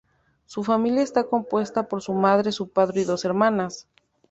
Su familia está compuesta por su madre, su padre, y dos hermanas.